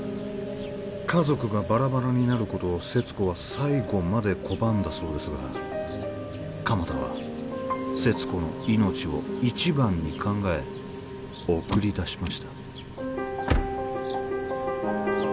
家族がバラバラになることを勢津子は最後まで拒んだそうですが鎌田は勢津子の命を一番に考え送り出しました